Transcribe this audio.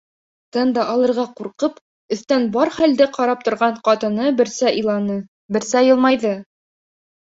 Тын да алырға ҡурҡып, өҫтән бар хәлде ҡарап торған ҡатыны берсә иланы, берсә йылмайҙы.